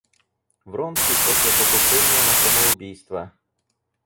Вронский после покушения на самоубийство.